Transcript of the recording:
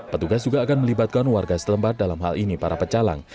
petugas juga akan melibatkan warga setempat dalam hal ini para pecalang